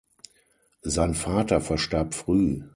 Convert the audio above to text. Sein Vater verstarb früh.